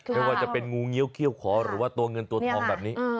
ไม่ว่าจะเป็นงูเงี้ยวเขี้ยวขอหรือว่าตัวเงินตัวทองแบบนี้